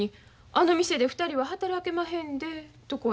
「あの店で２人は働けまへんで」とこうやもん。